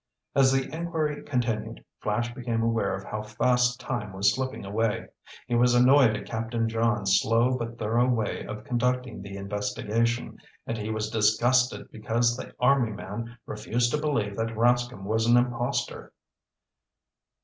As the inquiry continued, Flash became aware of how fast time was slipping away. He was annoyed at Captain Johns' slow but thorough way of conducting the investigation, and he was disgusted because the army man refused to believe that Rascomb was an impostor.